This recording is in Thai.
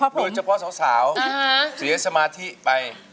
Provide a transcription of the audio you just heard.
โดยเฉพาะสาวเสียสมาธิไป